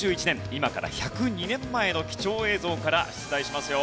今から１０２年前の貴重映像から出題しますよ。